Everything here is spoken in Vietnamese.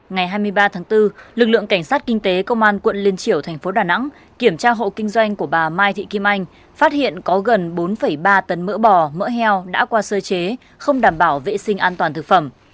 ngày hai mươi ba tháng bốn lực lượng cảnh sát kinh tế công an quận liên triểu thành phố đà nẵng kiểm tra hộ kinh doanh của bà mai thị kim anh phát hiện có gần bốn ba tấn mỡ bò mỡ heo đã qua sơ chế không đảm bảo vệ sinh an toàn thực phẩm